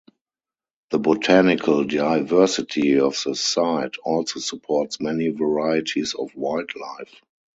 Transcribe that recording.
The botanical diversity of the site also supports many varieties of wildlife.